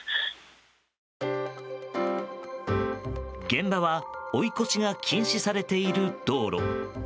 現場は追い越しが禁止されている道路。